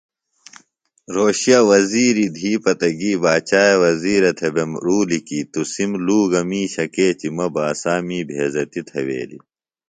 رھوشے وزِیری دھی پتہ گی باچاے وزِیرہ تھےۡ بےۡ رُولیۡ کیۡ تُسِم لُوگہ مِیشہ کیچیۡ مہ باسا می بھیزتیۡ تھویلیۡ